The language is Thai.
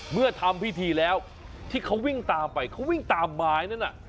เมื่อทำพิธีแล้วที่เขาวิ่งตามไปเขาวิ่งตามไม้นั่นน่ะ